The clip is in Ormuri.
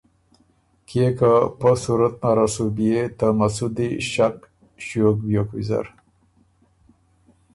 کيې که پۀ صورت نره سُو بيې ته مسُودی ݭک ݭیوک بیوک ویزر